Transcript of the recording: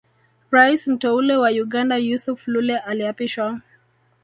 Rais mteule wa Uganda Yusuf Lule aliapishwa